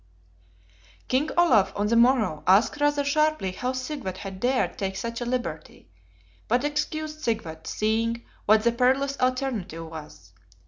King Olaf, on the morrow, asked rather sharply how Sigvat had dared take such a liberty; but excused Sigvat, seeing what the perilous alternative was.